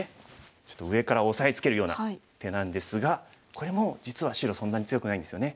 ちょっと上から押さえつけるような手なんですがこれも実は白そんなに強くないんですよね。